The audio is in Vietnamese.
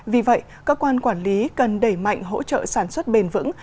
vì vậy cơ quan quản lý cần đẩy mạnh hỗ trợ sản xuất bền vững